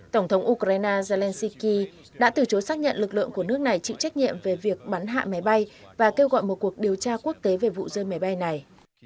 tổng thống ukraine zelensiki đã từ chối xác nhận lực lượng của nước này chịu trách nhiệm về việc bắn hạ máy bay và kêu gọi một cuộc điều tra quốc tế về vụ rơi máy bay này